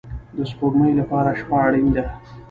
د سپوږمۍ لپاره شپه اړین ده